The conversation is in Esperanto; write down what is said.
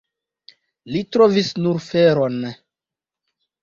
Li trovis nur feron.